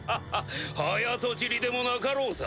早とちりでもなかろうさ。